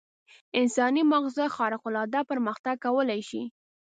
انساني ماغزه خارق العاده پرمختګ کولای شي.